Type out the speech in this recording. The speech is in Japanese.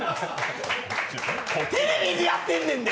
テレビでやってんでんね。